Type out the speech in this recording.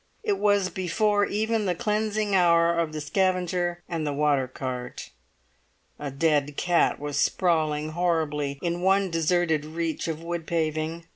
It was before even the cleansing hour of the scavenger and the water cart. A dead cat was sprawling horribly in one deserted reach of wood paving.